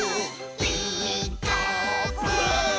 「ピーカーブ！」